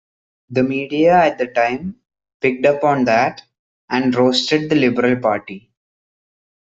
The media at the time picked up on that, and roasted the Liberal party.